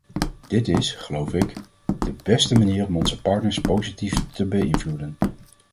Dit is, geloof ik, de beste manier om onze partners positief te beïnvloeden.